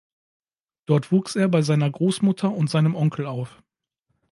Dort wuchs er bei seiner Großmutter und seinem Onkel auf.